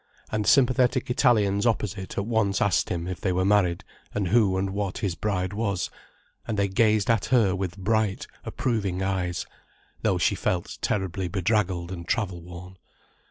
And sympathetic Italians opposite at once asked him if they were married and who and what his bride was, and they gazed at her with bright, approving eyes, though she felt terribly bedraggled and travel worn.